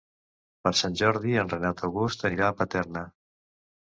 Per Sant Jordi en Renat August anirà a Paterna.